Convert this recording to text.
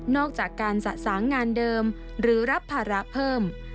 อกจากการสะสางงานเดิมหรือรับภาระเพิ่ม